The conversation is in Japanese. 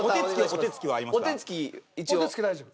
お手つき大丈夫。